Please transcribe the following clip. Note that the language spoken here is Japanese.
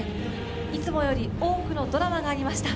いつもより多くのドラマがありました。